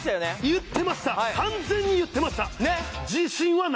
言ってました完全に言ってましたねっ！